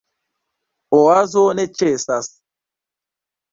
Oazo ne ĉesas.